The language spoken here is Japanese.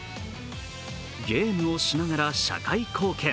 ゲームをしながら社会貢献。